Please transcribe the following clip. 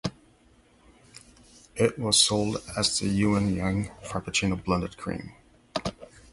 It was sold as the "Yuen Yeung Frappuccino Blended Cream".